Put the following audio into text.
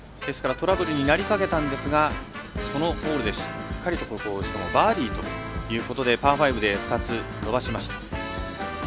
トラブルになりかけたんですがそのホールで、しっかりとバーディーということでパー５で２つ伸ばしました。